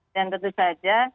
dan tentu saja